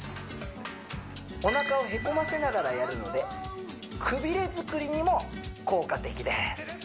おなかをへこませながらやるのでくびれ作りにも効果的です